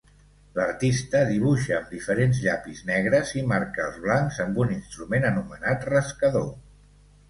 L'artista dibuixa amb diferents llapis negres i marca els blancs amb un instrument anomenat rascador.